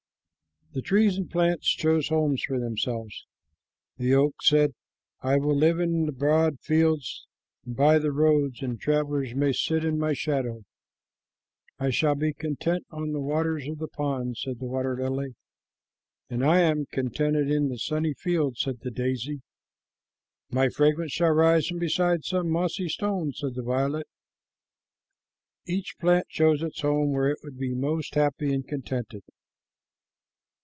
The trees and plants chose homes for themselves. The oak said, "I will live in the broad fields and by the roads, and travelers may sit in my shadow." "I shall be contented on the waters of the pond," said the water lily. "And I am contented in the sunny fields," said the daisy. "My fragrance shall rise from beside some mossy stone," said the violet. Each plant chose its home where it would be most happy and contented.